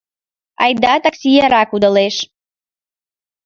Айда, такси яра кудалеш.